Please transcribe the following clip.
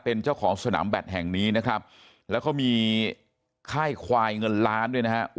เป็นเจ้าของสนามแบตแห่งนี้นะครับแล้วเขามีค่ายควายเงินล้านด้วยนะครับ